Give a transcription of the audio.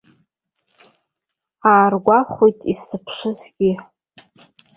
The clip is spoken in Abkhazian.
Ааргәахәт исзыԥшызгьы.